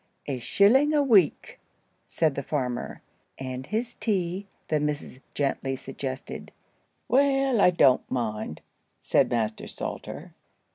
"A shilling a week," said the farmer. "And his tea?" the missus gently suggested. "Well, I don't mind," said Master Salter.